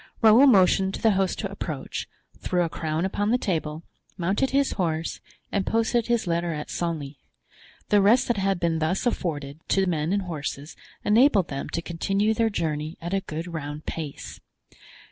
Raoul motioned to the host to approach, threw a crown upon the table, mounted his horse, and posted his letter at Senlis. The rest that had been thus afforded to men and horses enabled them to continue their journey at a good round pace.